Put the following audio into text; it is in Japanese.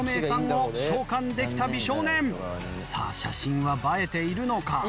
さあ写真は映えているのか？